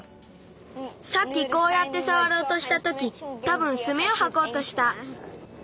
さっきこうやってさわろうとしたときたぶんスミをはこうとした。